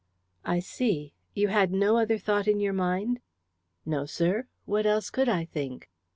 "I see. You had no other thought in your mind?" "No, sir. What else could I think?"